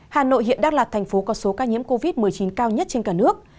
hà nội hiện đang là thành phố có số ca nhiễm covid một mươi chín cao nhất trên cả nước